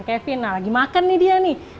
kevin nah lagi makan nih dia nih